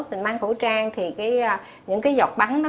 mình mang khẩu trang thì những cái dọc bắn